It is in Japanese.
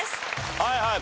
はいはい。